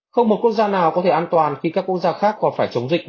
không một quốc gia nào có thể an toàn khi các quốc gia khác còn phải chống dịch